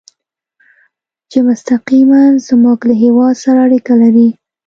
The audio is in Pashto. چې مستقیماً زموږ له هېواد سره اړه لري.